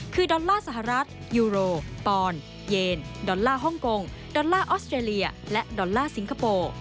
คือดอลลาร์สหรัฐยูโรปอนเยนดอลลาร์ฮ่องกงดอลลาร์ออสเตรเลียและดอลลาร์สิงคโปร์